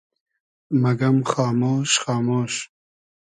مئگئم خامۉش خامۉش